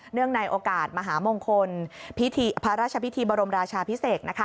ในโอกาสมหามงคลพระราชพิธีบรมราชาพิเศษ